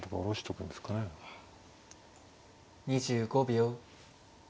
２５秒。